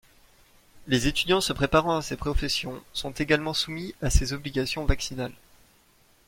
Les étudiants se préparant à ces professions sont également soumis à ces obligations vaccinales.